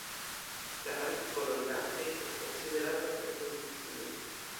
La artikolo "la" estas konsiderata "prepozicio".